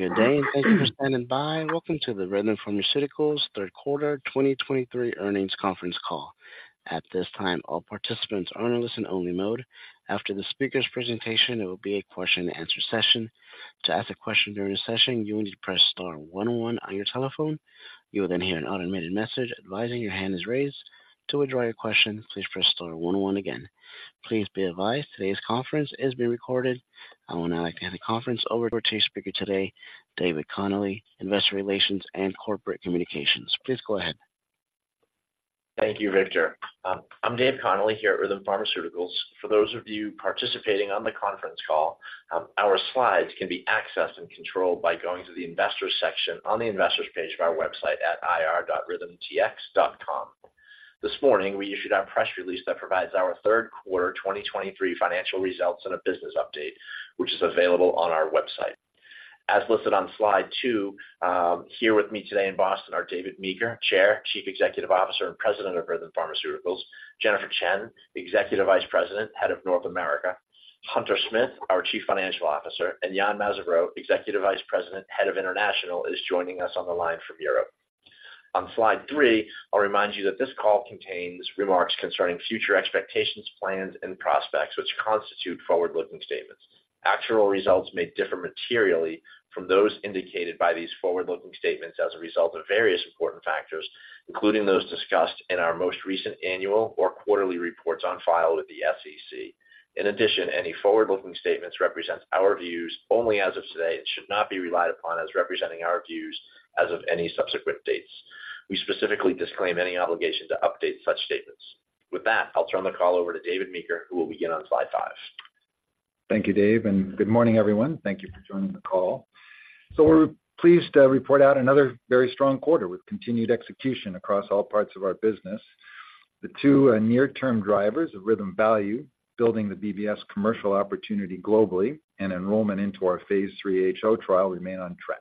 Good day, and thank you for standing by. Welcome to the Rhythm Pharmaceuticals Q3 2023 Earnings Conference Call. At this time, all participants are in a listen-only mode. After the speaker's presentation, there will be a question-and-answer session. To ask a question during the session, you will need to press star one one on your telephone. You will then hear an automated message advising your hand is raised. To withdraw your question, please press star one one again. Please be advised, today's conference is being recorded. I would now like to hand the conference over to our chief speaker today, David Connolly, Investor Relations and Corporate Communications. Please go ahead. Thank you, Victor. I'm David Connolly here at Rhythm Pharmaceuticals. For those of you participating on the conference call, our slides can be accessed and controlled by going to the Investors section on the Investors page of our website at ir.rhythmtx.com. This morning, we issued our press release that provides our Q3 2023 financial results and a business update, which is available on our website. As listed on slide two here with me today in Boston are David Meeker, Chair, Chief Executive Officer, and President of Rhythm Pharmaceuticals; Jennifer Chien, Executive Vice President, Head of North America; Hunter Smith, our Chief Financial Officer, and Yann Mazabraud, Executive Vice President, Head of International, is joining us on the line from Europe. On slide three I'll remind you that this call contains remarks concerning future expectations, plans, and prospects, which constitute forward-looking statements. Actual results may differ materially from those indicated by these forward-looking statements as a result of various important factors, including those discussed in our most recent annual or quarterly reports on file with the SEC. In addition, any forward-looking statements represents our views only as of today and should not be relied upon as representing our views as of any subsequent dates. We specifically disclaim any obligation to update such statements. With that, I'll turn the call over to David Meeker, who will begin on slide five. Thank you, Dave, and good morning, everyone. Thank you for joining the call. So we're pleased to report out another very strong quarter with continued execution across all parts of our business. The two near-term drivers of Rhythm's value, building the BBS commercial opportunity globally and enrollment into our phase III HO trial remain on track.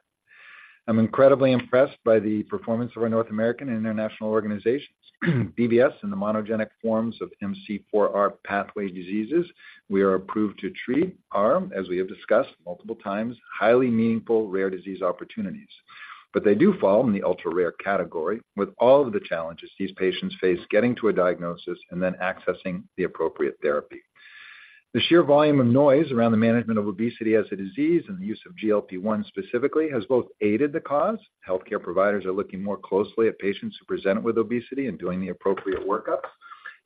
I'm incredibly impressed by the performance of our North American and international organizations. BBS in the monogenic forms of MC4R pathway diseases. We are approved to treat RM, as we have discussed multiple times. Highly meaningful rare disease opportunities. But they do fall in the ultra-rare category with all of the challenges these patients face getting to a diagnosis and then accessing the appropriate therapy. The sheer volume of noise around the management of obesity as a disease and the use of GLP-1 specifically has both aided the cause. Healthcare providers are looking more closely at patients who present with obesity and doing the appropriate workups,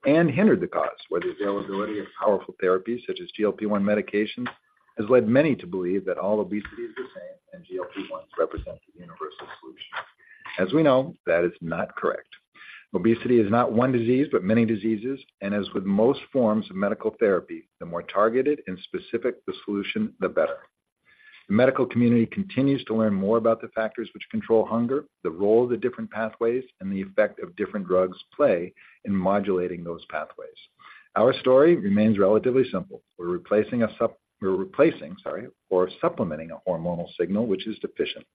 and identify the cause, while the availability of powerful therapies such as GLP-1 medications has led many to believe that all obesity is the same and GLP-1 represents the universal solution. As we know, that is not correct. Obesity is not one disease, but many diseases, and as with most forms of medical therapy, the more targeted and specific the solution, the better. The medical community continues to learn more about the factors which control hunger, the role of the different pathways, and the effect of different drugs play in modulating those pathways. Our story remains relatively simple. We're replacing, sorry, or supplementing a hormonal signal, which is deficient.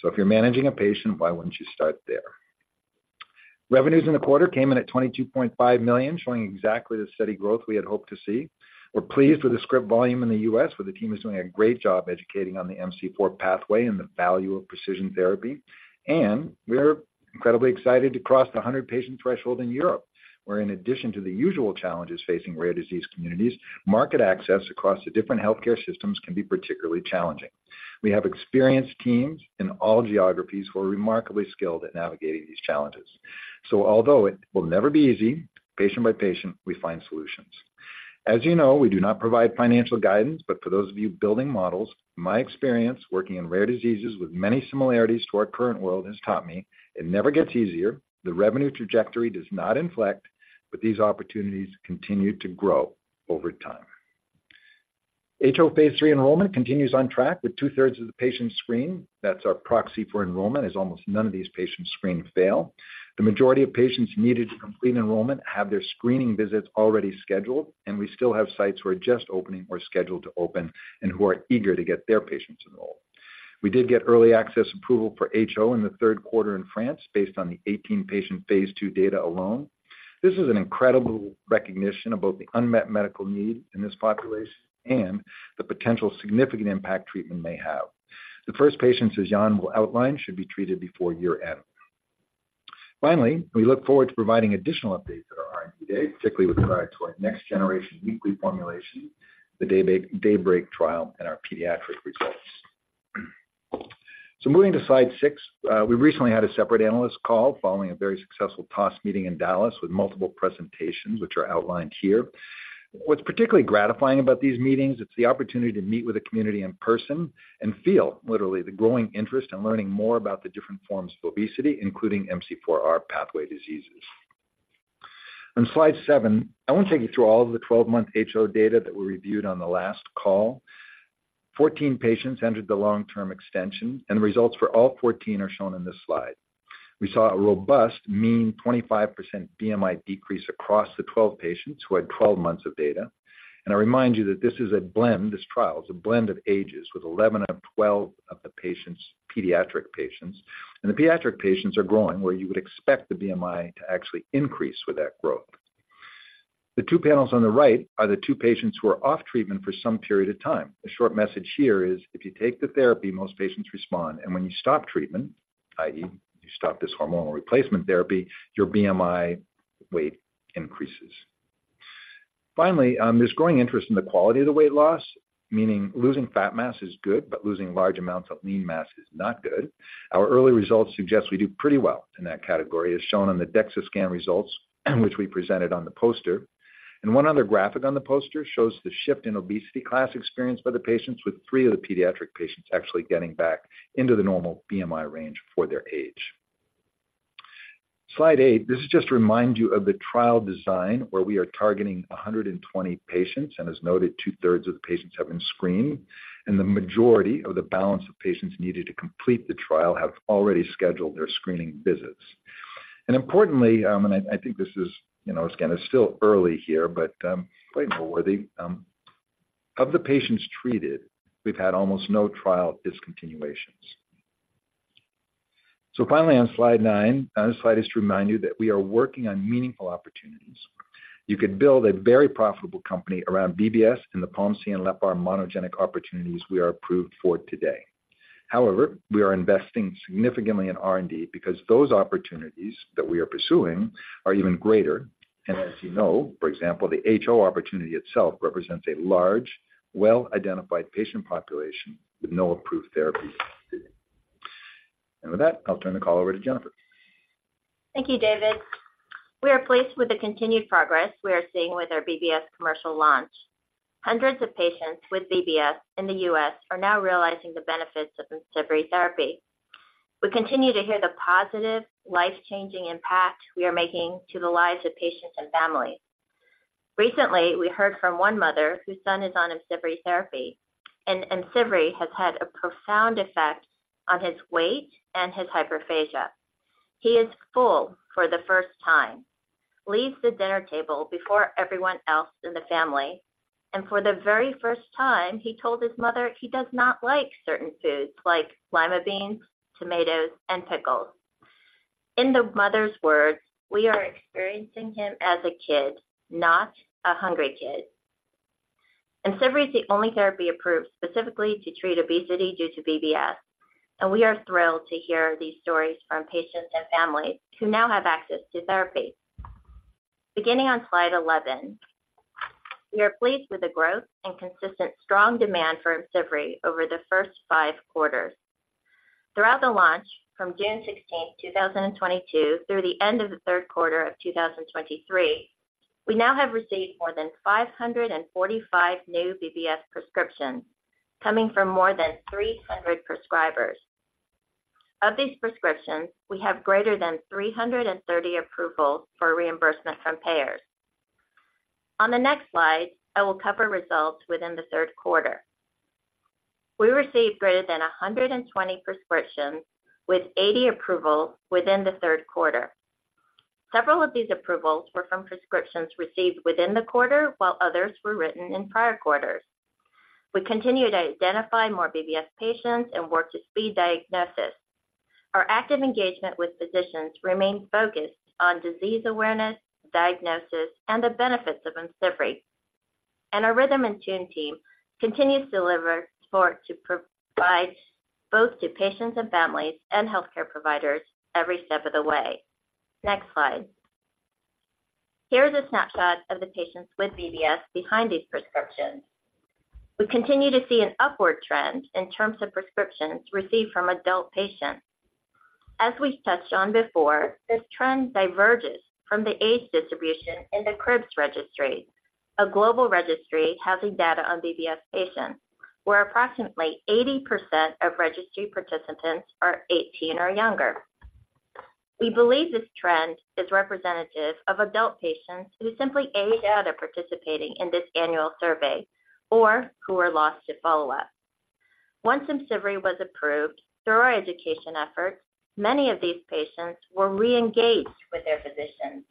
So if you're managing a patient, why wouldn't you start there? Revenues in the quarter came in at $22.5 million, showing exactly the steady growth we had hoped to see. We're pleased with the script volume in the U.S., where the team is doing a great job educating on the MC4 pathway and the value of precision therapy. We're incredibly excited to cross the 100-patient threshold in Europe, where in addition to the usual challenges facing rare disease communities, market access across the different healthcare systems can be particularly challenging. We have experienced teams in all geographies who are remarkably skilled at navigating these challenges. Although it will never be easy, patient by patient, we find solutions. As you know, we do not provide financial guidance, but for those of you building models, my experience working in rare diseases with many similarities to our current world has taught me it never gets easier. The revenue trajectory does not inflect, but these opportunities continue to grow over time. HO phase III enrollment continues on track with two-thirds of the patients screened. That's our proxy for enrollment, as almost none of these patients screened fail. The majority of patients needed to complete enrollment have their screening visits already scheduled, and we still have sites who are just opening or scheduled to open and who are eager to get their patients enrolled. We did get early access approval for HO in the Q3 in France, based on the 18-patient phase II data alone. This is an incredible recognition of both the unmet medical need in this population and the potential significant impact treatment may have. The first patients, as Yann will outline, should be treated before year-end. Finally, we look forward to providing additional updates at our R&D Day, particularly with regard to our next-generation weekly formulation, the DAYBREAK trial, and our pediatric results. So moving to slide six we recently had a separate analyst call following a very successful TOS meeting in Dallas with multiple presentations, which are outlined here. What's particularly gratifying about these meetings, it's the opportunity to meet with the community in person and feel literally the growing interest in learning more about the different forms of obesity, including MC4R pathway diseases. On slide seven I want to take you through all of the 12-month HO data that we reviewed on the last call. 14 patients entered the long-term extension, and results for all 14 are shown in this slide. We saw a robust mean 25% BMI decrease across the 12 patients who had 12 months of data. I remind you that this is a blend, this trial is a blend of ages, with 11 of the 12 patients, pediatric patients. The pediatric patients are growing, where you would expect the BMI to actually increase with that growth... The two panels on the right are the two patients who are off treatment for some period of time. The short message here is, if you take the therapy, most patients respond, and when you stop treatment, i.e., you stop this hormonal replacement therapy, your BMI weight increases. Finally, there's growing interest in the quality of the weight loss, meaning losing fat mass is good, but losing large amounts of lean mass is not good. Our early results suggest we do pretty well in that category, as shown on the DEXA scan results, which we presented on the poster. One other graphic on the poster shows the shift in obesity class experienced by the patients, with three of the pediatric patients actually getting back into the normal BMI range for their age. Slide eight. This is just to remind you of the trial design, where we are targeting 120 patients, and as noted, two-thirds of the patients have been screened, and the majority of the balance of patients needed to complete the trial have already scheduled their screening visits. And importantly, I think this is, you know, again, it's still early here, but quite noteworthy. Of the patients treated, we've had almost no trial discontinuations. So finally, on slide nine this slide is to remind you that we are working on meaningful opportunities. You could build a very profitable company around BBS in the POMC and LEPR monogenic opportunities we are approved for today. However, we are investing significantly in R&D because those opportunities that we are pursuing are even greater. And as you know, for example, the HO opportunity itself represents a large, well-identified patient population with no approved therapies. And with that, I'll turn the call over to Jennifer. Thank you, David. We are pleased with the continued progress we are seeing with our BBS commercial launch. Hundreds of patients with BBS in the U.S. are now realizing the benefits of the IMCIVREE therapy. We continue to hear the positive, life-changing impact we are making to the lives of patients and families. Recently, we heard from one mother whose son is on IMCIVREE therapy, and IMCIVREE has had a profound effect on his weight and his hyperphagia. He is full for the first time, leaves the dinner table before everyone else in the family, and for the very first time, he told his mother he does not like certain foods like lima beans, tomatoes, and pickles. In the mother's words, "We are experiencing him as a kid, not a hungry kid." IMCIVREE is the only therapy approved specifically to treat obesity due to BBS, and we are thrilled to hear these stories from patients and families who now have access to therapy. Beginning on slide 11. We are pleased with the growth and consistent strong demand for IMCIVREE over the first 5 quarters. Throughout the launch, from June 16, 2022, through the end of the Q3 of 2023, we now have received more than 545 new BBS prescriptions, coming from more than 300 prescribers. Of these prescriptions, we have greater than 330 approvals for reimbursement from payers. On the next slide, I will cover results within the Q3. We received greater than 120 prescriptions, with 80 approvals within the Q3. Several of these approvals were from prescriptions received within the quarter, while others were written in prior quarters. We continue to identify more BBS patients and work to speed diagnosis. Our active engagement with physicians remains focused on disease awareness, diagnosis, and the benefits of IMCIVREE. And our Rhythm InTune team continues to deliver support to provide both to patients and families and healthcare providers every step of the way. Next slide. Here is a snapshot of the patients with BBS behind these prescriptions. We continue to see an upward trend in terms of prescriptions received from adult patients. As we've touched on before, this trend diverges from the age distri bution in the CRIBBS registry, a global registry housing data on BBS patients, where approximately 80% of registry participants are 18 or younger. We believe this trend is representative of adult patients who simply aged out of participating in this annual survey or who were lost at follow-up. Once IMCIVREE was approved, through our education efforts, many of these patients were re-engaged with their physicians.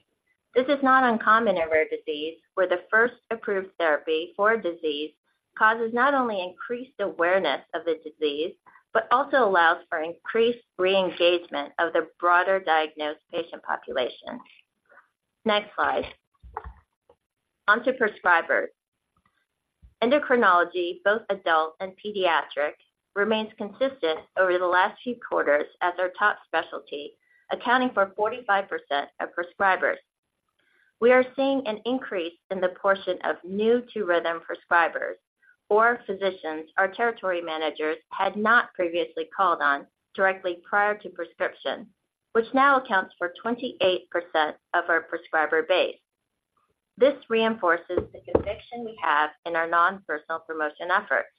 This is not uncommon in rare disease, where the first approved therapy for a disease causes not only increased awareness of the disease, but also allows for increased re-engagement of the broader diagnosed patient population. Next slide. Onto prescribers. Endocrinology, both adult and pediatric, remains consistent over the last few quarters as our top specialty, accounting for 45% of prescribers. We are seeing an increase in the portion of new-to-Rhythm prescribers or physicians our territory managers had not previously called on directly prior to prescription, which now accounts for 28% of our prescriber base. This reinforces the conviction we have in our non-personal promotion efforts.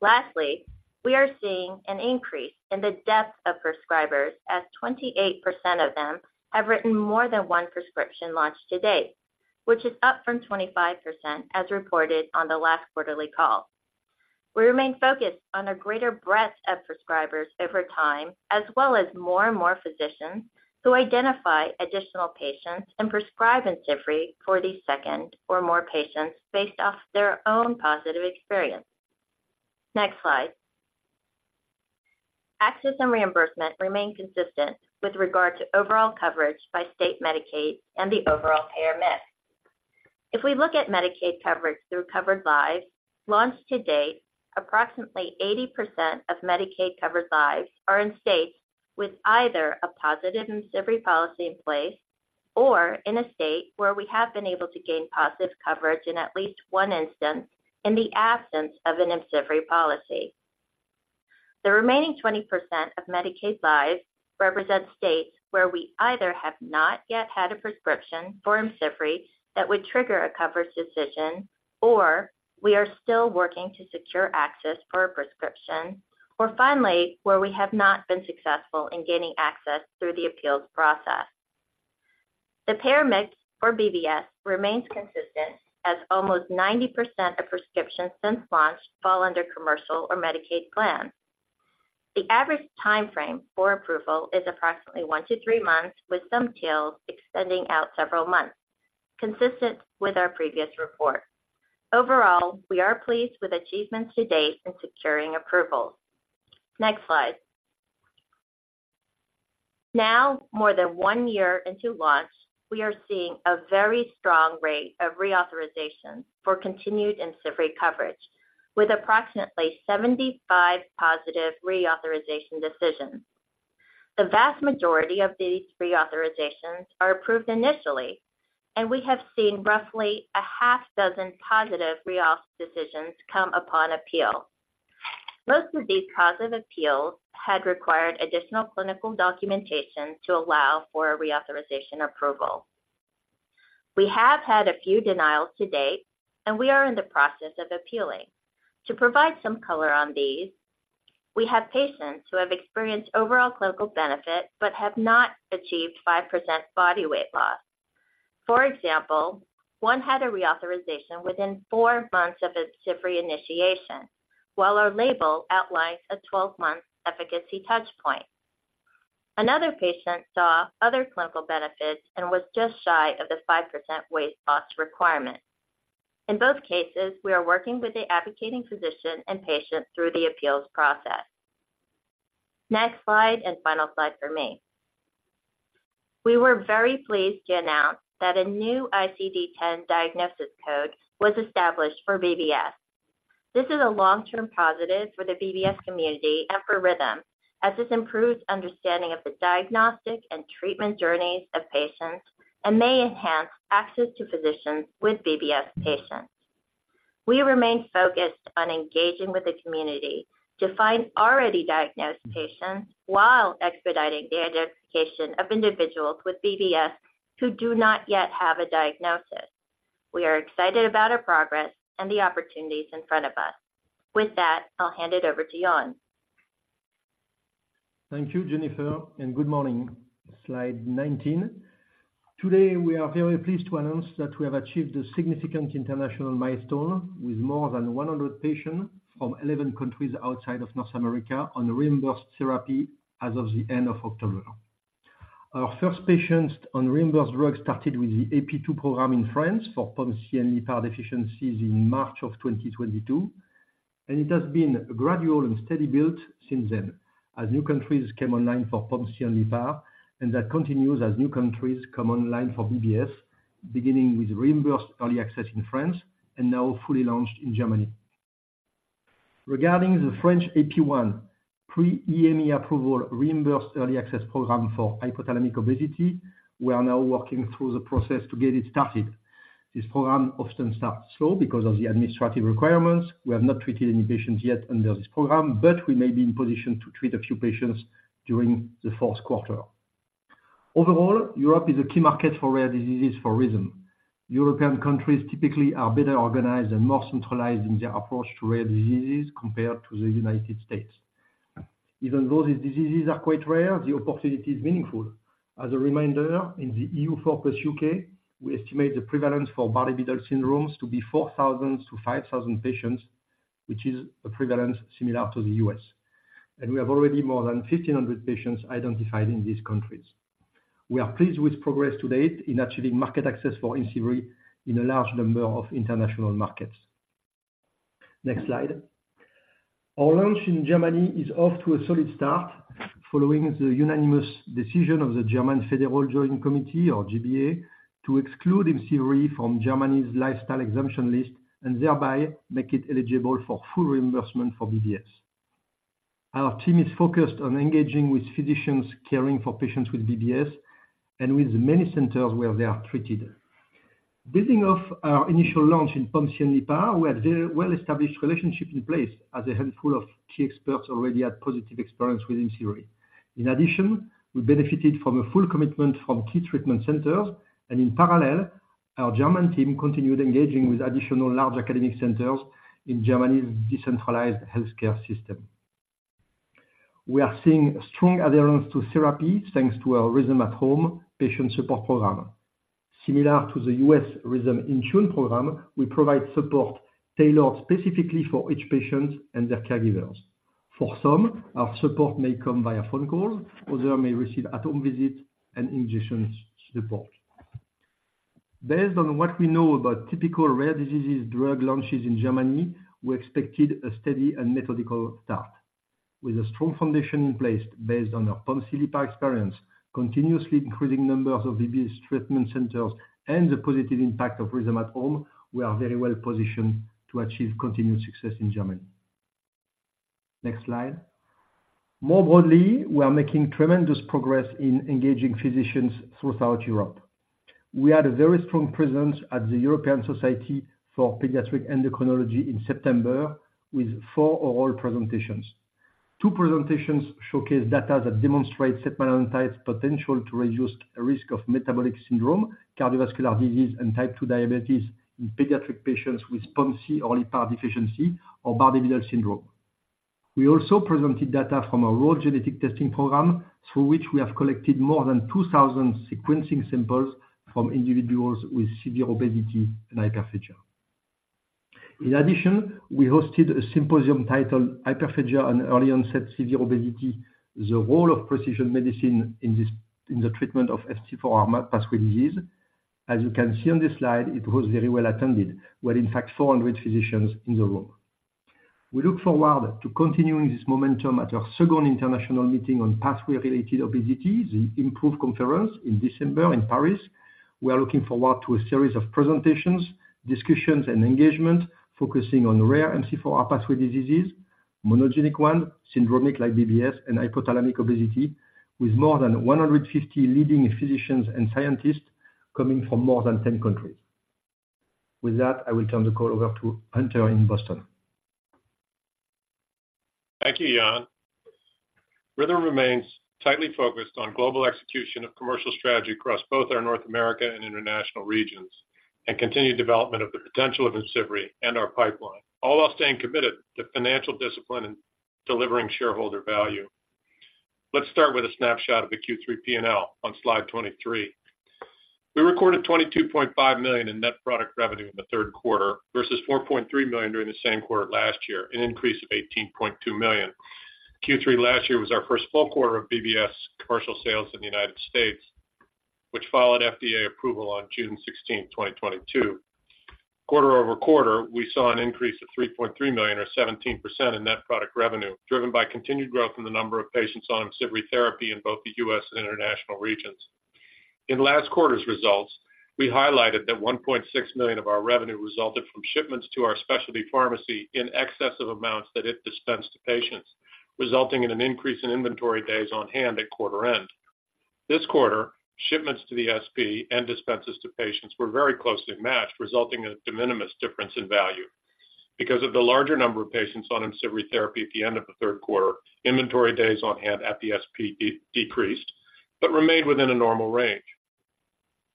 Lastly, we are seeing an increase in the depth of prescribers, as 28% of them have written more than one prescription launched to date, which is up from 25% as reported on the last quarterly call. We remain focused on a greater breadth of prescribers over time, as well as more and more physicians who identify additional patients and prescribe IMCIVREE for these second or more patients based off their own positive experience. Next slide. Access and reimbursement remain consistent with regard to overall coverage by state Medicaid and the overall payer mix. If we look at Medicaid coverage through Covered Lives, launched to date, approximately 80% of Medicaid Covered Lives are in states with either a positive IMCIVREE policy in place or in a state where we have been able to gain positive coverage in at least one instance in the absence of an IMCIVREE policy. The remaining 20% of Medicaid lives represent states where we either have not yet had a prescription for IMCIVREE that would trigger a coverage decision, or we are still working to secure access for a prescription, or finally, where we have not been successful in gaining access through the appeals process. The payer mix for BBS remains consistent, as almost 90% of prescriptions since launch fall under commercial or Medicaid plans. The average time frame for approval is approximately 1-3 months, with some tails extending out several months, consistent with our previous report. Overall, we are pleased with achievements to date in securing approvals. Next slide. Now, more than 1 year into launch, we are seeing a very strong rate of reauthorization for continued IMCIVREE coverage, with approximately 75 positive reauthorization decisions. The vast majority of these reauthorizations are approved initially, and we have seen roughly 6 positive reauth decisions come upon appeal. Most of these positive appeals had required additional clinical documentation to allow for a reauthorization approval. We have had a few denials to date, and we are in the process of appealing. To provide some color on these, we have patients who have experienced overall clinical benefit but have not achieved 5% body weight loss. For example, one had a reauthorization within four months of his IMCIVREE initiation, while our label outlines a 12-month efficacy touch point. Another patient saw other clinical benefits and was just shy of the 5% weight loss requirement. In both cases, we are working with the advocating physician and patient through the appeals process. Next slide and final slide for me. We were very pleased to announce that a new ICD-10 diagnosis code was established for BBS. This is a long-term positive for the BBS community and for Rhythm, as this improves understanding of the diagnostic and treatment journeys of patients and may enhance access to physicians with BBS patients. We remain focused on engaging with the community to find already diagnosed patients while expediting the identification of individuals with BBS who do not yet have a diagnosis. We are excited about our progress and the opportunities in front of us. With that, I'll hand it over to Yann. Thank you, Jennifer, and good morning. Slide 19. Today, we are very pleased to announce that we have achieved a significant international milestone, with more than 100 patients from 11 countries outside of North America on reimbursed therapy as of the end of October. Our first patients on reimbursed drug started with the AP2 program in France for POMC and LEPR deficiencies in March 2022, and it has been a gradual and steady build since then as new countries came online for POMC and LEPR, and that continues as new countries come online for BBS, beginning with reimbursed early access in France and now fully launched in Germany. Regarding the French AP1 pre-EMA approval, reimbursed early access program for hypothalamic obesity, we are now working through the process to get it started. This program often starts slow because of the administrative requirements. We have not treated any patients yet under this program, but we may be in position to treat a few patients during the Q4. Overall, Europe is a key market for rare diseases for Rhythm. European countries typically are better organized and more centralized in their approach to rare diseases compared to the United States. Even though these diseases are quite rare, the opportunity is meaningful. As a reminder, in the EU plus UK, we estimate the prevalence for Bardet-Biedl syndromes to be 4,000-5,000 patients, which is a prevalence similar to the US, and we have already more than 1,500 patients identified in these countries. We are pleased with progress to date in achieving market access for IMCIVREE in a large number of international markets. Next slide. Our launch in Germany is off to a solid start following the unanimous decision of the German Federal Joint Committee, or G-BA, to exclude IMCIVREE from Germany's lifestyle exemption list and thereby make it eligible for full reimbursement for BBS. Our team is focused on engaging with physicians caring for patients with BBS and with the many centers where they are treated. Building off our initial launch in POMC and LEPR, we have very well-established relationship in place as a handful of key experts already had positive experience with IMCIVREE. In addition, we benefited from a full commitment from key treatment centers, and in parallel, our German team continued engaging with additional large academic centers in Germany's decentralized healthcare system. We are seeing strong adherence to therapy, thanks to our Rhythm at Home patient support program. Similar to the U.S. Rhythm InTune program, we provide support tailored specifically for each patient and their caregivers. For some, our support may come via phone call. Others may receive at-home visit and injection support. Based on what we know about typical rare diseases drug launches in Germany, we expected a steady and methodical start. With a strong foundation in place based on our POMC/LEPR experience, continuously increasing numbers of BBS treatment centers, and the positive impact of Rhythm at Home, we are very well positioned to achieve continued success in Germany. Next slide. More broadly, we are making tremendous progress in engaging physicians throughout Europe. We had a very strong presence at the European Society for Pediatric Endocrinology in September, with four oral presentations. Two presentations showcased data that demonstrates setmelanotide's potential to reduce the risk of metabolic syndrome, cardiovascular disease, and type 2 diabetes in pediatric patients with POMC or LEPR deficiency or Bardet-Biedl syndrome. We also presented data from our rare genetic testing program, through which we have collected more than 2,000 sequencing samples from individuals with severe obesity and hyperphagia. In addition, we hosted a symposium titled Hyperphagia and Early-Onset Severe Obesity: The Role of Precision Medicine in the treatment of MC4R pathway disease. As you can see on this slide, it was very well attended, with in fact, 400 physicians in the room. We look forward to continuing this momentum at our second international meeting on pathway-related obesity, the IMPROVE Conference in December in Paris. We are looking forward to a series of presentations, discussions, and engagement focusing on rare MC4R pathway diseases, monogenic one, syndromic like BBS, and hypothalamic obesity, with more than 150 leading physicians and scientists coming from more than 10 countries. With that, I will turn the call over to Hunter in Boston. Thank you, Yann. Rhythm remains tightly focused on global execution of commercial strategy across both our North America and international regions, and continued development of the potential of IMCIVREE and our pipeline, all while staying committed to financial discipline and delivering shareholder value. Let's start with a snapshot of the Q3 P&L on slide 23. We recorded $22.5 million in net product revenue in the Q3 versus $4.3 million during the same quarter last year, an increase of $18.2 million. Q3 last year was our first full quarter of BBS commercial sales in the United States, which followed FDA approval on June 16, 2022. Quarter-over-quarter, we saw an increase of $3.3 million, or 17% in net product revenue, driven by continued growth in the number of patients on IMCIVREE therapy in both the US and international regions. In last quarter's results, we highlighted that $1.6 million of our revenue resulted from shipments to our specialty pharmacy in excess of amounts that it dispensed to patients, resulting in an increase in inventory days on hand at quarter end. This quarter, shipments to the SP and dispenses to patients were very closely matched, resulting in a de minimis difference in value. Because of the larger number of patients on IMCIVREE therapy at the end of the Q3, inventory days on hand at the SP decreased, but remained within a normal range.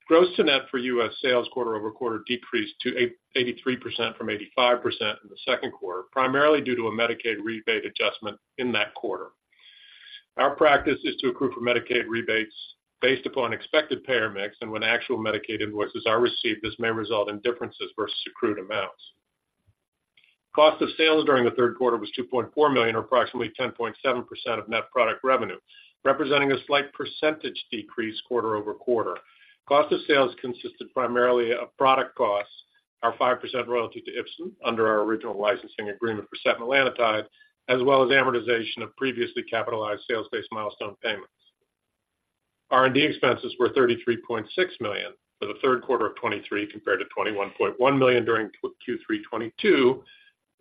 Gross to net for U.S. sales quarter-over-quarter decreased to 83% from 85% in the Q2, primarily due to a Medicaid rebate adjustment in that quarter. Our practice is to accrue for Medicaid rebates based upon expected payer mix, and when actual Medicaid invoices are received, this may result in differences versus accrued amounts. Cost of sales during the Q3 was $2.4 million, or approximately 10.7% of net product revenue, representing a slight percentage decrease quarter-over-quarter. Cost of sales consisted primarily of product costs, our 5% royalty to Ipsen under our original licensing agreement for setmelanotide, as well as amortization of previously capitalized sales-based milestone payments. R&D expenses were $33.6 million for the Q3 of 2023, compared to $21.1 million during Q3 2022,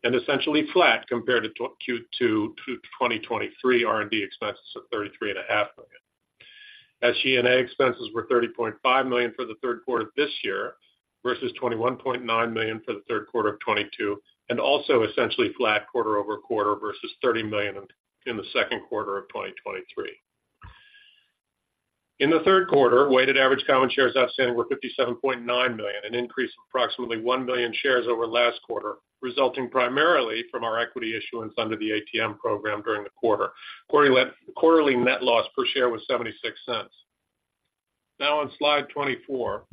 and essentially flat compared to Q2 2023 R&D expenses of $33.5 million. G&A expenses were $30.5 million for the Q3 this year, versus $21.9 million for the Q3 of 2022, and also essentially flat quarter-over-quarter versus $30 million in the Q2 of 2023. In the Q3, weighted average common shares outstanding were 57.9 million, an increase of approximately 1 million shares over last quarter, resulting primarily from our equity issuance under the ATM program during the quarter. Quarterly net loss per share was $0.76. Now on slide 24.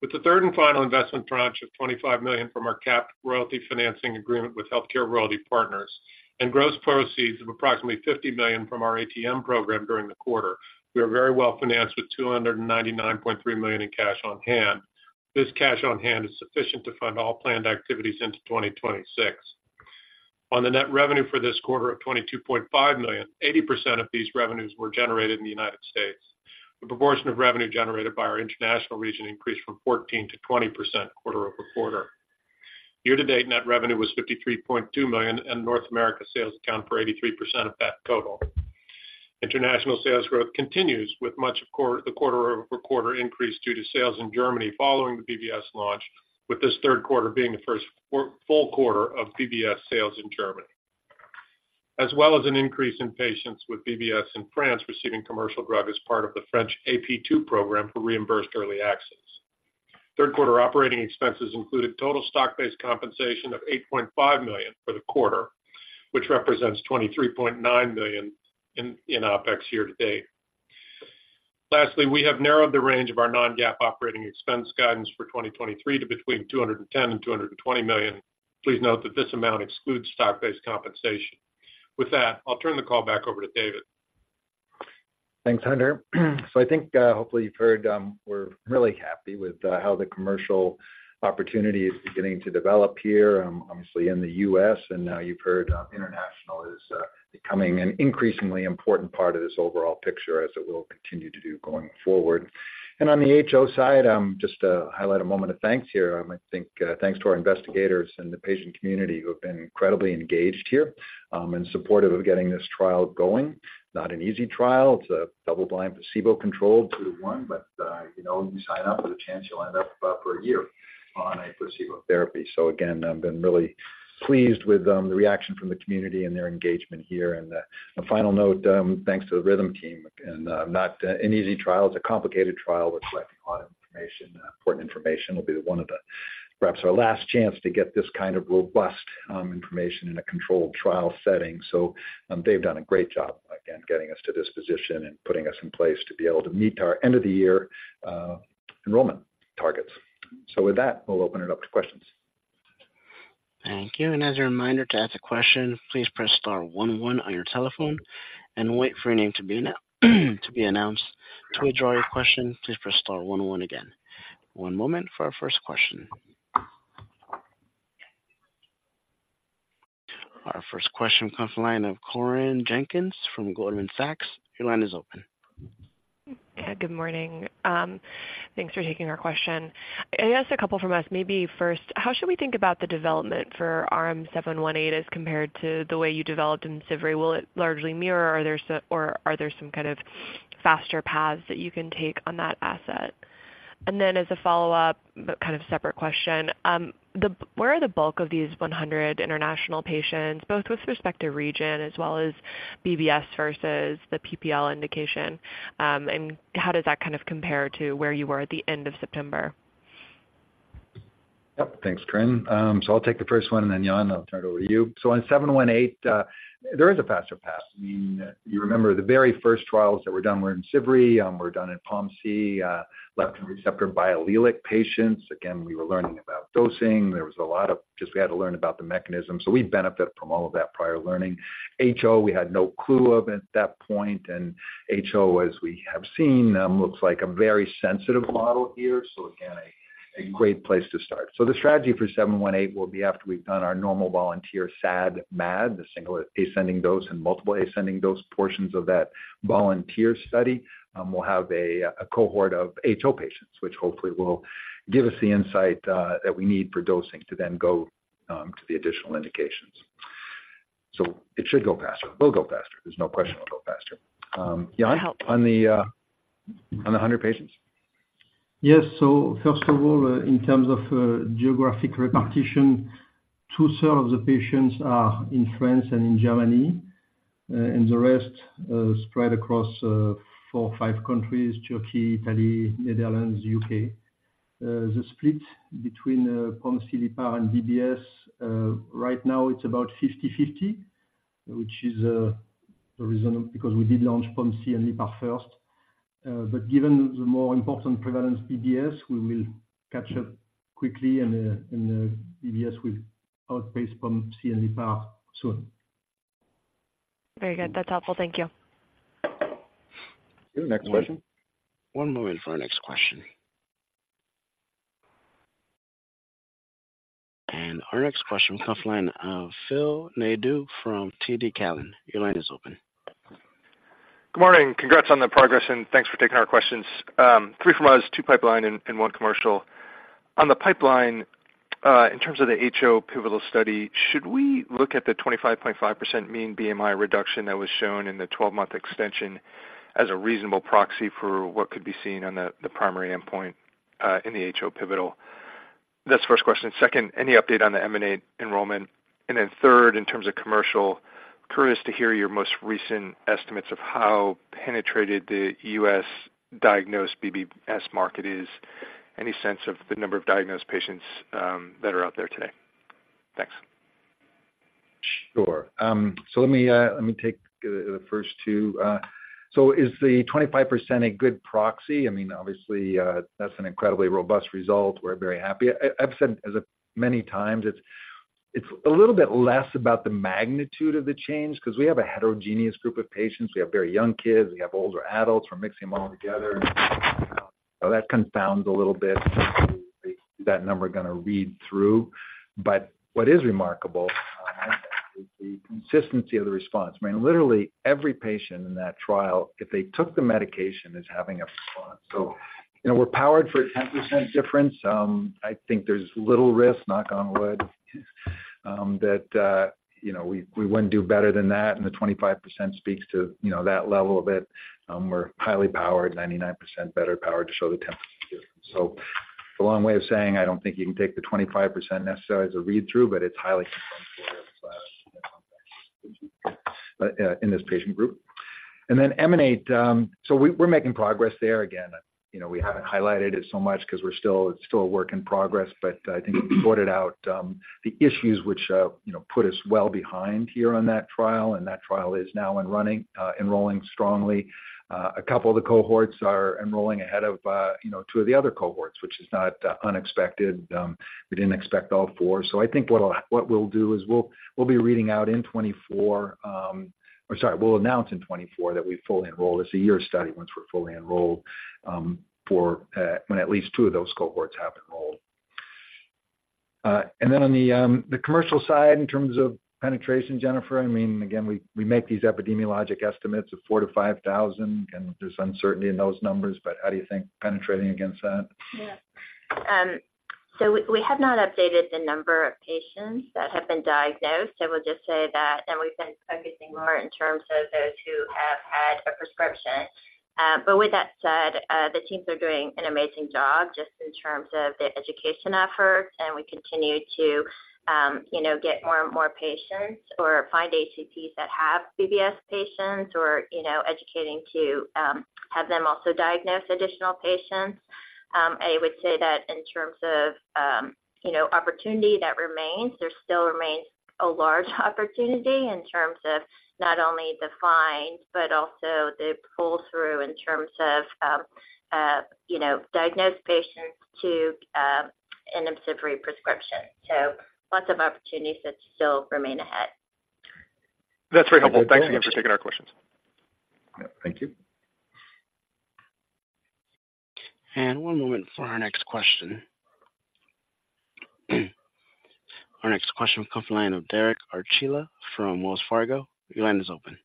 With the third and final investment tranche of $25 million from our capped royalty financing agreement with Healthcare Royalty Partners and gross proceeds of approximately $50 million from our ATM program during the quarter, we are very well financed with $299.3 million in cash on hand. This cash on hand is sufficient to fund all planned activities into 2026. On the net revenue for this quarter of $22.5 million, 80% of these revenues were generated in the United States. The proportion of revenue generated by our international region increased from 14% to 20% quarter-over-quarter. Year-to-date, net revenue was $53.2 million, and North America sales account for 83% of that total. International sales growth continues with much of the quarter-over-quarter increase due to sales in Germany following the BBS launch, with this Q3 being the first full quarter of BBS sales in Germany, as well as an increase in patients with BBS in France receiving commercial drug as part of the French AP2 program for reimbursed early access. Q3 operating expenses included total stock-based compensation of $8.5 million for the quarter, which represents $23.9 million in OpEx year to date. Lastly, we have narrowed the range of our non-GAAP operating expense guidance for 2023 to between $210 million and $220 million. Please note that this amount excludes stock-based compensation. With that, I'll turn the call back over to David.... Thanks, Hunter. So I think, hopefully you've heard, we're really happy with how the commercial opportunity is beginning to develop here, obviously in the U.S., and now you've heard, international is becoming an increasingly important part of this overall picture as it will continue to do going forward. And on the HO side, just to highlight a moment of thanks here, I think, thanks to our investigators and the patient community who have been incredibly engaged here, and supportive of getting this trial going. Not an easy trial. It's a double-blind, placebo-controlled 2:1, but you know, you sign up with a chance, you'll end up for a year on a placebo therapy. So again, I've been really pleased with the reaction from the community and their engagement here. And, a final note, thanks to the Rhythm team, and not an easy trial. It's a complicated trial with collecting a lot of information, important information. It'll be one of the, perhaps, our last chance to get this kind of robust information in a controlled trial setting. So, they've done a great job, again, getting us to this position and putting us in place to be able to meet our end-of-the-year enrollment targets. So with that, we'll open it up to questions. Thank you. As a reminder, to ask a question, please press star one one on your telephone and wait for your name to be announced. To withdraw your question, please press star one one again. One moment for our first question. Our first question comes from the line of Corinne Jenkins from Goldman Sachs. Your line is open. Yeah, good morning. Thanks for taking our question. I guess a couple from us. Maybe first, how should we think about the development for RM-718 as compared to the way you developed IMCIVREE? Will it largely mirror, or are there some, or are there some kind of faster paths that you can take on that asset? And then as a follow-up, but kind of separate question, where are the bulk of these 100 international patients, both with respect to region as well as BBS versus t he POMC/LEPR indication? And how does that kind of compare to where you were at the end of September? Yep. Thanks, Corinne. So I'll take the first one, and then, Yann, I'll turn it over to you. So on 718, there is a faster path. I mean, you remember the very first trials that were done were in IMCIVREE, were done POMC, leptin receptor biallelic patients. Again, we were learning about dosing. There was a lot of... Just we had to learn about the mechanism. So we benefit from all of that prior learning. HO, we had no clue of at that point, and HO, as we have seen, looks like a very sensitive model here, so again, a great place to start. So the strategy for 718 will be after we've done our normal volunteer, SAD, MAD, the single ascending dose and multiple ascending dose portions of that volunteer study. We'll have a cohort of HO patients, which hopefully will give us the insight that we need for dosing to then go to the additional indications. So it should go faster. It will go faster. There's no question it'll go faster. Yann- That helped. On the 100 patients. Yes. So first of all, in terms of geographic repetition, two-thirds of the patients are in France and in Germany, and the rest spread across four or five countries: Turkey, Italy, Netherlands, U.K. The split between POMC, LEPR and BBS right now it's about 50/50, which is reasonable because we did launch POMC and LEPR first. But given the more important prevalence BBS, we will catch up quickly and BBS will outpace POMC and LEPR soon. Very good. That's helpful. Thank you. Next question? One moment for our next question. Our next question comes from the line of Phil Nadeau from TD Cowen. Your line is open. Good morning. Congrats on the progress, and thanks for taking our questions. Three from us, two pipeline and one commercial. On the pipeline, in terms of the HO pivotal study, should we look at the 25.5% mean BMI reduction that was shown in the 12-month extension as a reasonable proxy for what could be seen on the primary endpoint in the HO pivotal? That's the first question. Second, any update on the EMANATE enrollment? And then third, in terms of commercial, curious to hear your most recent estimates of how penetrated the US diagnosed BBS market is. Any sense of the number of diagnosed patients that are out there today? Thanks. Sure. So let me take the first two. So is the 25% a good proxy? I mean, obviously, that's an incredibly robust result. We're very happy. I've said as many times, it's a little bit less about the magnitude of the change, because we have a heterogeneous group of patients. We have very young kids, we have older adults, we're mixing them all together. So that confounds a little bit, that number gonna read through. But what is remarkable is the consistency of the response. I mean, literally every patient in that trial, if they took the medication, is having a response. So, you know, we're powered for a 10% difference. I think there's little risk, knock on wood, that, you know, we, we wouldn't do better than that, and the 25% speaks to, you know, that level of it. We're highly powered, 99% better powered to show the 10%. So it's a long way of saying, I don't think you can take the 25% necessarily as a read-through, but it's highly, in this patient group. And then EMANATE, so we, we're making progress there again. You know, we haven't highlighted it so much because we're still- it's still a work in progress, but, I think we sorted out, the issues which, you know, put us well behind here on that trial, and that trial is now running, enrolling strongly. A couple of the cohorts are enrolling ahead of, you know, two of the other cohorts, which is not unexpected. We didn't expect all four. So I think what we'll do is we'll be reading out in 2024, or sorry, we'll announce in 2024 that we've fully enrolled. It's a year study once we're fully enrolled, for when at least two of those cohorts have enrolled. And then on the commercial side, in terms of penetration, Jennifer, I mean, again, we make these epidemiologic estimates of 4,000-5,000, and there's uncertainty in those numbers, but how do you think penetrating against that? Yeah. So we have not updated the number of patients that have been diagnosed. So we'll just say that, and we've been focusing more in terms of those who have had a prescription. But with that said, the teams are doing an amazing job just in terms of the education effort, and we continue to, you know, get more and more patients or find ACPs that have BBS patients or, you know, educating to have them also diagnose additional patients. I would say that in terms of, you know, opportunity that remains, there still remains a large opportunity in terms of not only the find, but also the pull-through in terms of, you know, diagnosed patients to an IMCIVREE prescription. So lots of opportunities that still remain ahead. That's very helpful. Thanks again for taking our questions. Yeah. Thank you. One moment for our next question. Our next question comes from the line of Derek Archila from Wells Fargo. Your line is open.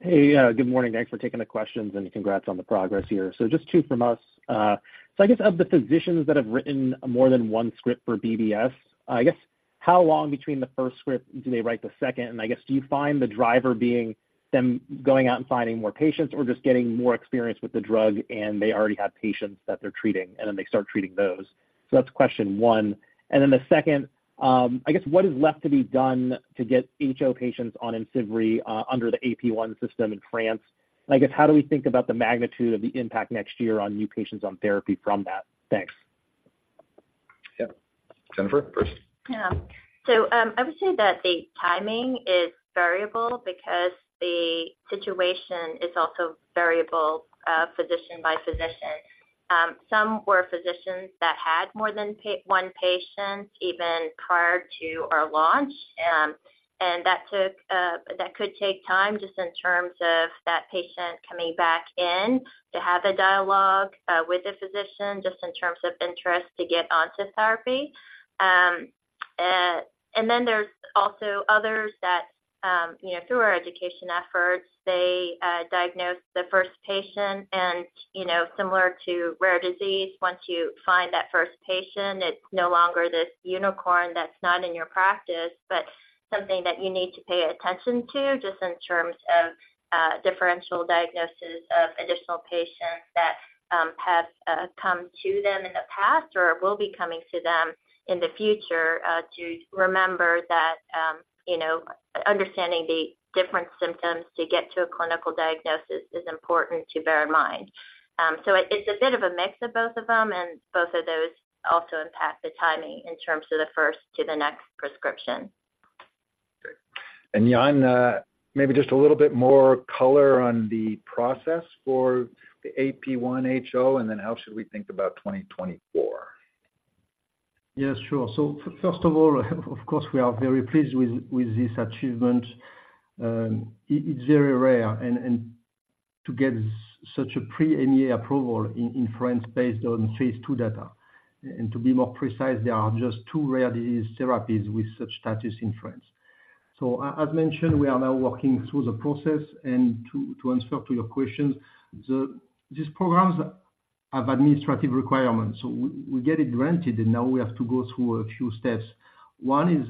Hey, good morning. Thanks for taking the questions, and congrats on the progress here. So just two from us. So I guess of the physicians that have written more than one script for BBS, I guess, how long between the first script do they write the second? And I guess, do you find the driver being them going out and finding more patients or just getting more experience with the drug, and they already have patients that they're treating, and then they start treating those? So that's question one. And then the second, I guess, what is left to be done to get HO patients on IMCIVREE under the AP1 system in France? And I guess, how do we think about the magnitude of the impact next year on new patients on therapy from that? Thanks. Yeah. Jennifer, first. Yeah. So, I would say that the timing is variable because the situation is also variable, physician by physician. Some were physicians that had more than one patient, even prior to our launch, and that took. That could take time, just in terms of that patient coming back in to have a dialogue with the physician, just in terms of interest to get onto therapy. And then there's also others that, you know, through our education efforts, they diagnose the first patient and, you know, similar to rare disease, once you find that first patient, it's no longer this unicorn that's not in your practice, but something that you need to pay attention to, just in terms of, differential diagnosis of additional patients that, have come to them in the past or will be coming to them in the future. To remember that, you know, understanding the different symptoms to get to a clinical diagnosis is important to bear in mind. So it, it's a bit of a mix of both of them, and both of those also impact the timing in terms of the first to the next prescription. Great. And, Yann, maybe just a little bit more color on the process for the AP1 HO, and then how should we think about 2024? Yeah, sure. So first of all, of course, we are very pleased with this achievement. It is very rare, and to get such a pre-EMA approval in France, based on phase II data. And to be more precise, there are just 2 rare disease therapies with such status in France. So as mentioned, we are now working through the process, and to answer to your questions, these programs have administrative requirements. So we get it granted, and now we have to go through a few steps. One is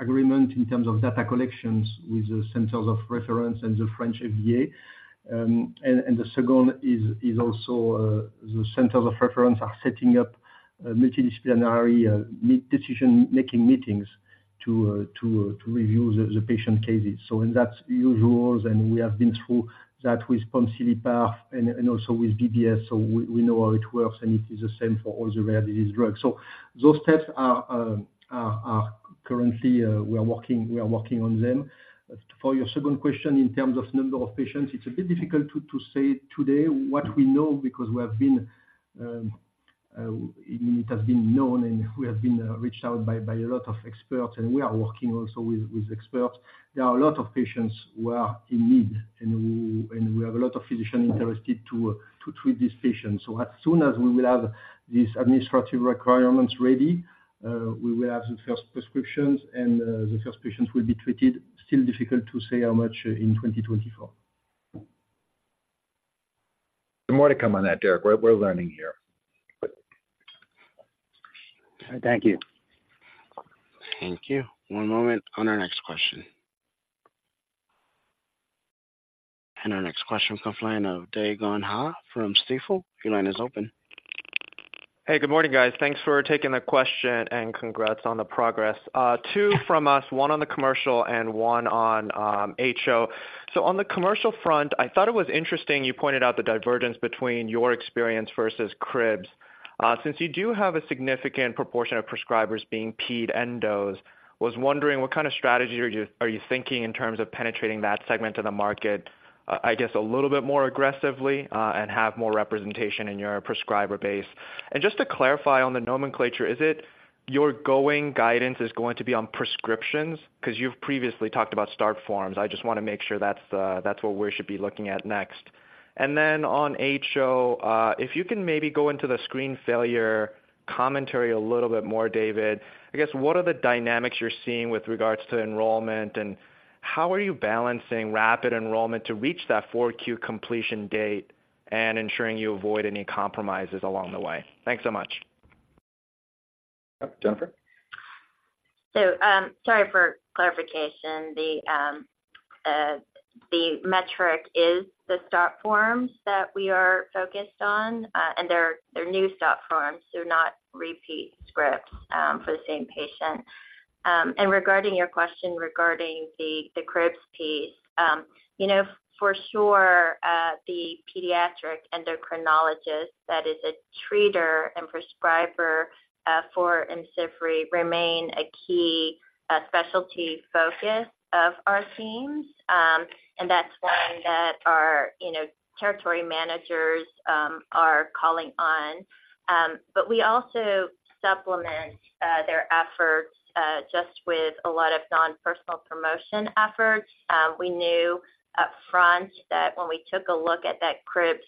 agreement in terms of data collections with the centers of reference and the French FDA. And the second is also the centers of reference are setting up multidisciplinary meet decision-making meetings to review the patient cases. That's usual, and we have been through that with POMC/LEPR path and also with BBS, so we know how it works, and it is the same for all the rare disease drugs. Those steps are currently, we are working on them. For your second question, in terms of number of patients, it's a bit difficult to say today what we know, because it has been known, and we have been reached out by a lot of experts, and we are working also with experts. There are a lot of patients who are in need, and we have a lot of physicians interested to treat these patients. As soon as we will have these administrative requirements ready, we will have the first prescriptions, and the first patients will be treated. Still difficult to say how much in 2024. More to come on that, Derek. We're learning here. Thank you. Thank you. One moment on our next question. Our next question comes from the line of Dae Gon Ha from Stifel. Your line is open. Hey, good morning, guys. Thanks for taking the question, and congrats on the progress. Two from us, one on the commercial and one on HO. So on the commercial front, I thought it was interesting you pointed out the divergence between your experience versus CRIBBS'. Since you do have a significant proportion of prescribers being ped endos, was wondering what kind of strategy are you thinking in terms of penetrating that segment of the market, I guess, a little bit more aggressively, and have more representation in your prescriber base? And just to clarify on the nomenclature, is it your going guidance is going to be on prescriptions? Because you've previously talked about start forms. I just want to make sure that's the, that's what we should be looking at next.... On HO, if you can maybe go into the screen failure commentary a little bit more, David. I guess, what are the dynamics you're seeing with regards to enrollment, and how are you balancing rapid enrollment to reach that 4Q completion date and ensuring you avoid any compromises along the way? Thanks so much. Jennifer? Sorry for clarification, the metric is the start forms that we are focused on, and they're new start forms, so not repeat scripts, for the same patient. And regarding your question regarding the CRIBBS piece, you know, for sure, the pediatric endocrinologist that is a treater and prescriber for IMCIVREE remain a key specialty focus of our teams. And that's one that our, you know, territory managers are calling on. But we also supplement their efforts just with a lot of non-personal promotion efforts. We knew upfront that when we took a look at that CRIBBS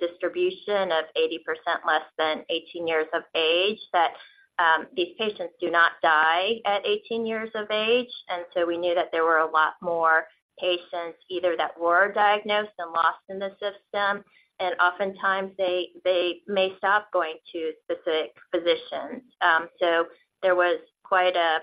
distribution of 80% less than 18 years of age, that these patients do not die at 18 years of age, and so we knew that there were a lot more patients either that were diagnosed and lost in the system, and oftentimes they may stop going to specific physicians. So there was quite a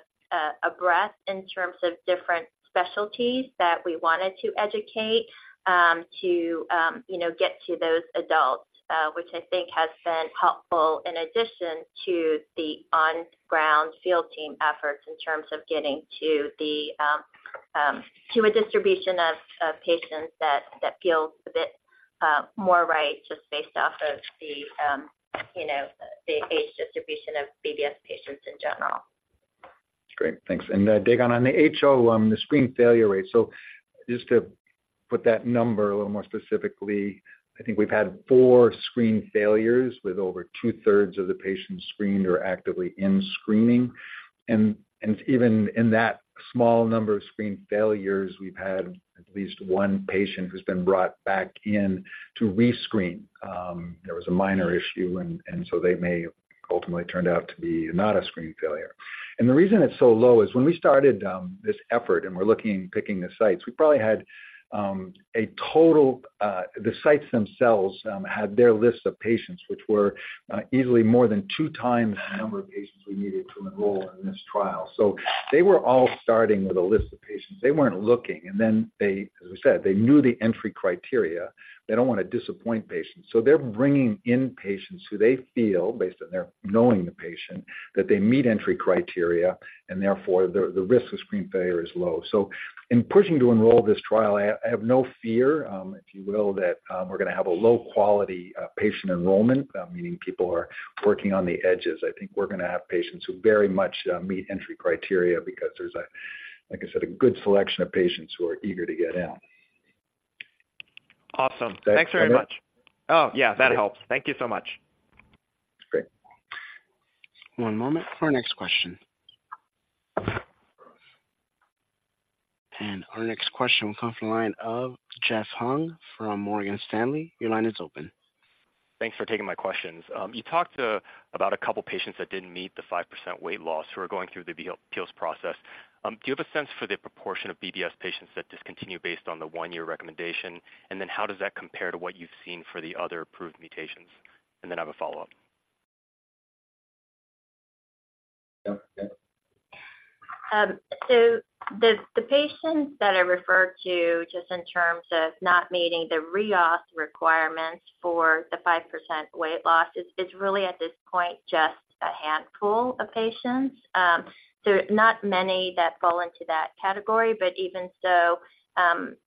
breadth in terms of different specialties that we wanted to educate to you know get to those adults, which I think has been helpful in addition to the on-ground field team efforts in terms of getting to the to a distribution of patients that feels a bit more right, just based off of the you know the age distribution of BBS patients in general. Great, thanks. And, dig on, on the HO, the screen failure rate. So just to put that number a little more specifically, I think we've had four screen failures with over two-thirds of the patients screened or actively in screening. And, even in that small number of screen failures, we've had at least one patient who's been brought back in to rescreen. There was a minor issue, and, so they may ultimately turned out to be not a screen failure. And the reason it's so low is when we started, this effort, and we're looking, picking the sites, we probably had, a total. The sites themselves, had their list of patients, which were, easily more than two times the number of patients we needed to enroll in this trial. So they were all starting with a list of patients. They weren't looking, and then they, as I said, they knew the entry criteria. They don't wanna disappoint patients. So they're bringing in patients who they feel, based on their knowing the patient, that they meet entry criteria, and therefore, the risk of screen failure is low. So in pushing to enroll this trial, I have no fear, if you will, that we're gonna have a low-quality patient enrollment, meaning people are working on the edges. I think we're gonna have patients who very much meet entry criteria because there's, like I said, a good selection of patients who are eager to get in. Awesome. Thanks. Thanks very much. Oh, yeah, that helps. Thank you so much. Great. One moment for our next question. Our next question will come from the line of Jeff Hung from Morgan Stanley. Your line is open. Thanks for taking my questions. You talked about a couple patients that didn't meet the 5% weight loss who are going through the appeals process. Do you have a sense for the proportion of BBS patients that discontinue based on the one-year recommendation? And then how does that compare to what you've seen for the other approved mutations? And then I have a follow-up. Yeah, yeah. So the patients that I referred to, just in terms of not meeting the re-auth requirements for the 5% weight loss, is really, at this point, just a handful of patients. So not many that fall into that category, but even so,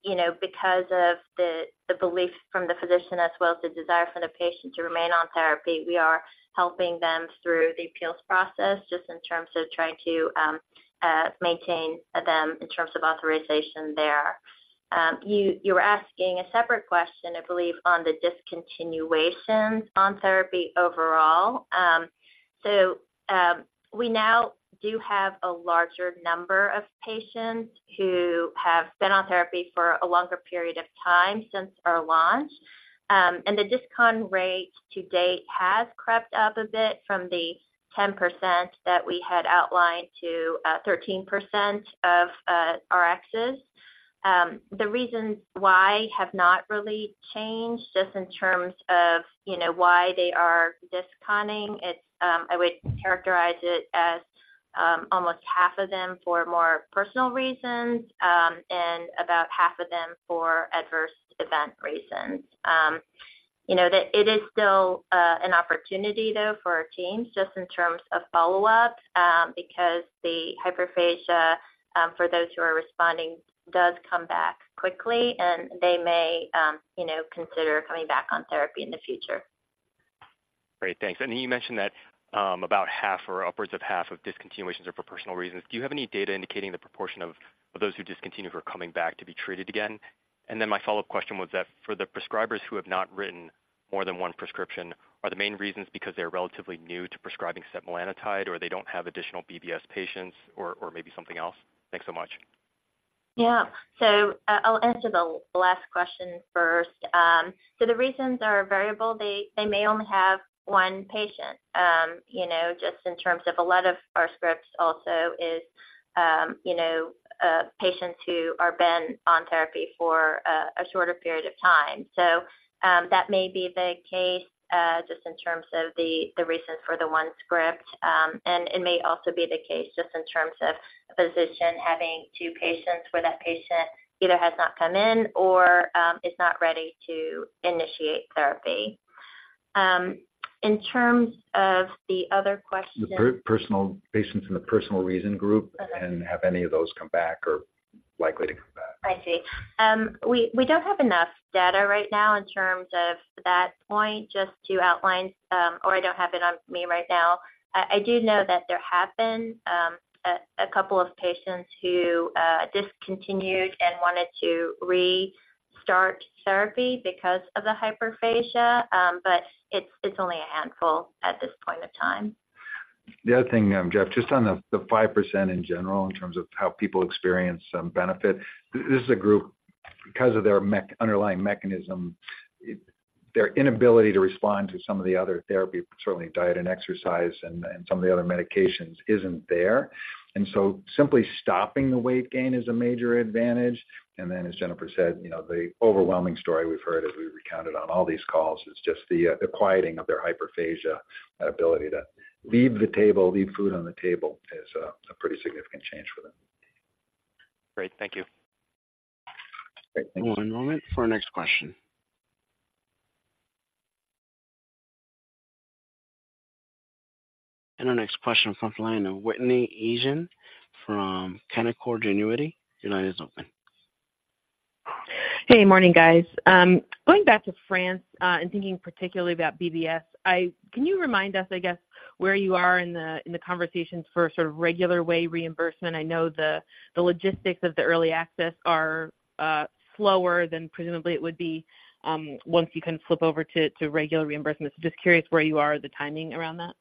you know, because of the belief from the physician as well as the desire for the patient to remain on therapy, we are helping them through the appeals process, just in terms of trying to maintain them in terms of authorization there. You were asking a separate question, I believe, on the discontinuations on therapy overall. We now do have a larger number of patients who have been on therapy for a longer period of time since our launch. And the discon rate to date has crept up a bit from the 10% that we had outlined to 13% of our exes. The reasons why have not really changed just in terms of, you know, why they are disconning. It's, I would characterize it as, almost half of them for more personal reasons, and about half of them for adverse event reasons. You know, that it is still an opportunity, though, for our teams just in terms of follow-up, because the hyperphagia, for those who are responding, does come back quickly, and they may, you know, consider coming back on therapy in the future. Great, thanks. And you mentioned that about half or upwards of half of discontinuations are for personal reasons. Do you have any data indicating the proportion of those who discontinued are coming back to be treated again? And then my follow-up question was that for the prescribers who have not written more than one prescription, are the main reasons because they're relatively new to prescribing setmelanotide, or they don't have additional BBS patients, or maybe something else? Thanks so much. Yeah. So, I'll answer the last question first. So the reasons are variable. They, they may only have one patient, you know, just in terms of a lot of our scripts also is, you know, patients who are been on therapy for a shorter period of time. So, that may be the case, just in terms of the, the reason for the one script. And it may also be the case just in terms of a physician having two patients, where that patient either has not come in or is not ready to initiate therapy. In terms of the other question- The patients in the personal reason group- Okay. and have any of those come back or likely to come back? I see. We don't have enough data right now in terms of that point just to outline, or I don't have it on me right now. I do know that there have been a couple of patients who discontinued and wanted to restart therapy because of the hyperphagia, but it's only a handful at this point of time. The other thing, Jeff, just on the 5% in general, in terms of how people experience some benefit. This is a group, because of their underlying mechanism, their inability to respond to some of the other therapy, certainly diet and exercise and some of the other medications, isn't there. And then, as Jennifer said, you know, the overwhelming story we've heard, as we recounted on all these calls, is just the quieting of their hyperphagia. That ability to leave the table, leave food on the table, is a pretty significant change for them. Great. Thank you. Great. Thank you. One moment for our next question. Our next question, from the line of Whitney Ijem from Canaccord Genuity. Your line is open. Hey, morning, guys. Going back to France and thinking particularly about BBS, can you remind us, I guess, where you are in the conversations for sort of regular way reimbursement? I know the logistics of the early access are slower than presumably it would be once you can flip over to regular reimbursements. So just curious where you are, the timing around that.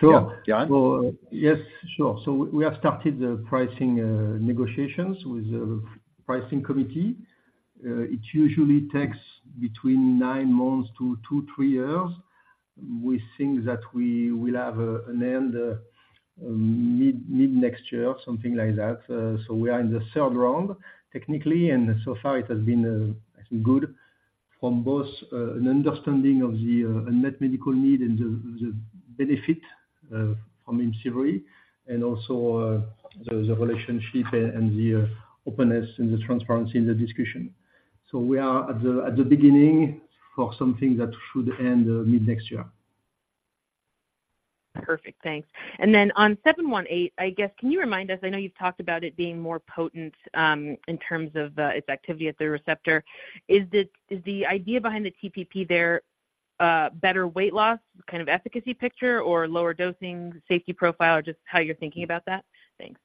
Sure. Yeah, Yann. Well, yes, sure. So we have started the pricing negotiations with the pricing committee. It usually takes between 9 months to 2, 3 years. We think that we will have an end mid-next year, something like that. So we are in the third round, technically, and so far it has been good from both an understanding of the unmet medical need and the benefit from IMCIVREE and also the relationship and the openness and the transparency in the discussion. So we are at the beginning for something that should end mid-next year. Perfect. Thanks. And then on 718, I guess, can you remind us? I know you've talked about it being more potent in terms of its activity at the receptor. Is the idea behind the TPP there better weight loss, kind of efficacy picture, or lower dosing, safety profile, or just how you're thinking about that? Thanks.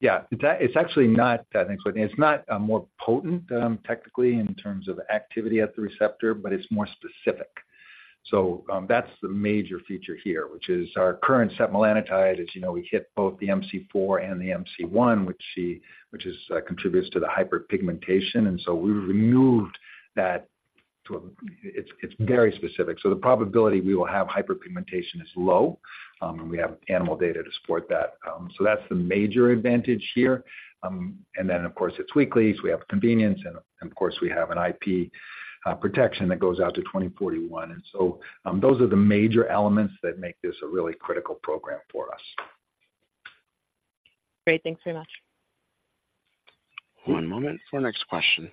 Yeah. It's actually not, thanks, Whitney. It's not more potent, technically in terms of activity at the receptor, but it's more specific. So, that's the major feature here, which is our current setmelanotide, as you know, we hit both the MC4R and the MC1R, which is, contributes to the hyperpigmentation, and so we removed that—it's very specific. So the probability we will have hyperpigmentation is low, and we have animal data to support that. So that's the major advantage here. And then, of course, it's weekly, so we have convenience, and, of course, we have an IP protection that goes out to 2041. And so, those are the major elements that make this a really critical program for us. Great. Thanks very much. One moment for our next question.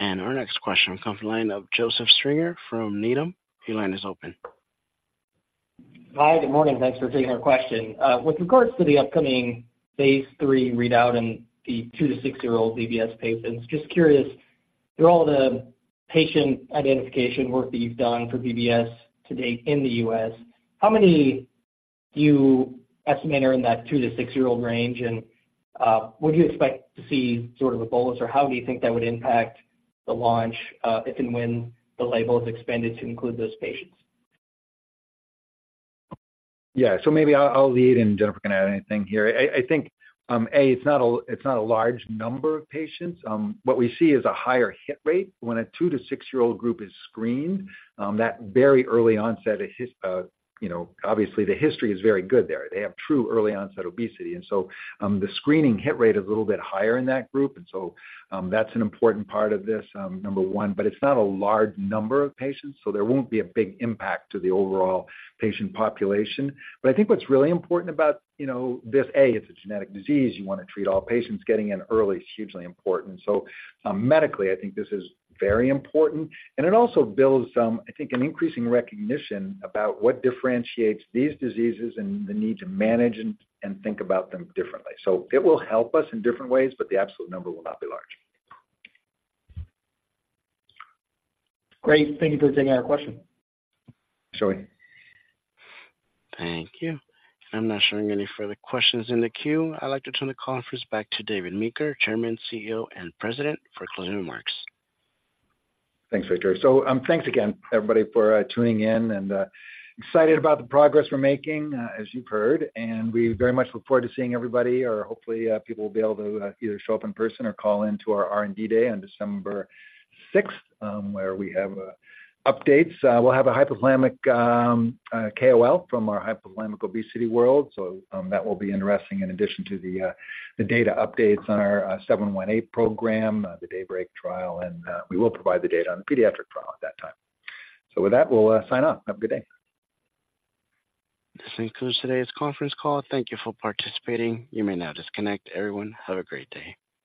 Our next question comes from the line of Joseph Stringer from Needham. Your line is open. Hi, good morning. Thanks for taking our question. With regards to the upcoming phase III readout in the 2- to 6-year-old BBS patients, just curious, with all the patient identification work that you've done for BBS to date in the U.S., how many do you estimate are in that 2- to 6-year-old range? And, would you expect to see sort of a bolus, or how do you think that would impact the launch, if and when the label is expanded to include those patients? Yeah. So maybe I'll lead and Jennifer can add anything here. I think, it's not a large number of patients. What we see is a higher hit rate when a 2- to 6-year-old group is screened, that very early onset, you know, obviously the history is very good there. They have true early onset obesity, and so, the screening hit rate is a little bit higher in that group, and so, that's an important part of this, number one. But it's not a large number of patients, so there won't be a big impact to the overall patient population. But I think what's really important about, you know, this, it's a genetic disease. You want to treat all patients. Getting in early is hugely important. So, medically, I think this is very important, and it also builds, I think, an increasing recognition about what differentiates these diseases and the need to manage and think about them differently. So it will help us in different ways, but the absolute number will not be large. Great. Thank you for taking our question. Sure. Thank you. I'm not showing any further questions in the queue. I'd like to turn the conference back to David Meeker, Chairman, CEO, and President, for closing remarks. Thanks, Victor. So, thanks again, everybody, for tuning in and excited about the progress we're making, as you've heard, and we very much look forward to seeing everybody, or hopefully, people will be able to either show up in person or call in to our R&D day on December sixth, where we have updates. We'll have a hypothalamic KOL from our hypothalamic obesity world, so that will be interesting in addition to the data updates on our 718 program, the DAYBREAK trial, and we will provide the data on the pediatric trial at that time. So with that, we'll sign off. Have a good day. This concludes today's conference call. Thank you for participating. You may now disconnect. Everyone, have a great day.